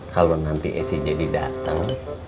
kalau nanti ac jadi dateng